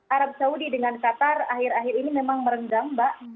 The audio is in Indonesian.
arab saudi dengan qatar akhir akhir ini memang merenggang mbak